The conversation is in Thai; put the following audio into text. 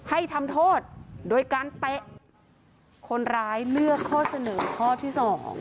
ให้ทำโทษโดยการเตะคนร้ายเลือกข้อเสนอข้อที่๒